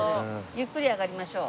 ゆっくり上がりましょう。